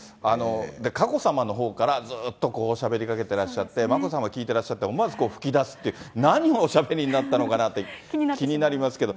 で、佳子さまのほうからずーっとしゃべりかけてらっしゃって、眞子さまは聞いてらっしゃって、思わず吹き出すっていう、何をおしゃべりになったのかなって気になりますけど。